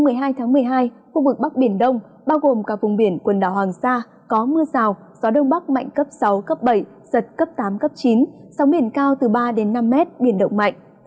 đến một mươi hai một mươi hai khu vực bắc biển đông bao gồm cả vùng biển quần đảo hoàng sa có mưa rào gió đông bắc mạnh cấp sáu bảy giật cấp tám chín sóng biển cao từ ba năm m biển động mạnh